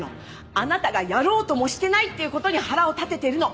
あなたがやろうともしてないっていうことに腹を立ててるの。